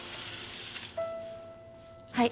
はい。